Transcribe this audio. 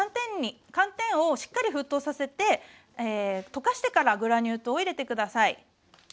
寒天をしっかり沸騰させて溶かしてからグラニュー糖を入れて下さい。